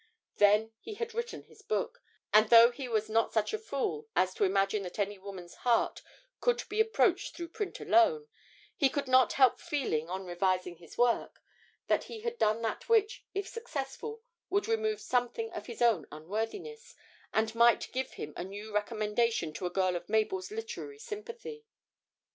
Then he had written his book; and though he was not such a fool as to imagine that any woman's heart could be approached through print alone, he could not help feeling on revising his work that he had done that which, if successful, would remove something of his own unworthiness, and might give him a new recommendation to a girl of Mabel's literary sympathy.